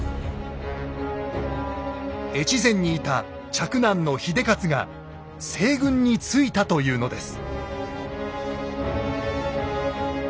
越前にいた嫡男の秀雄が西軍についたというのです。